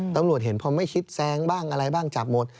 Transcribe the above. ตำรวจเห็นพอไม่คิดแซงบ้างอะไรบ้างจับหมด